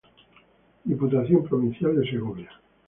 Diputación Provincial de Segovia.